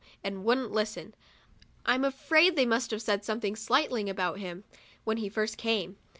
and wouldn't listen. I'm afraid they must have said something slighting about him, when he first came.